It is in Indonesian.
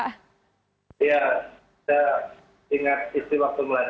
kita ingat istri waktu melahirkan